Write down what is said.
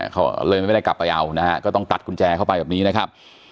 เขาเลยไม่ได้กลับไปเอานะฮะก็ต้องตัดกุญแจเข้าไปแบบนี้นะครับ